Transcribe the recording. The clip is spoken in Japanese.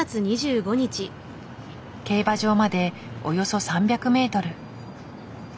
競馬場までおよそ３００メートル。